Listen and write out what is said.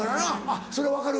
あっそれ分かる？